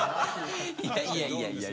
いやいやいや。